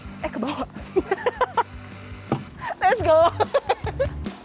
eh ke bawah